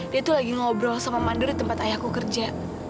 dia tuh lagi ngobrol sama mandu di tempat ayahku kerja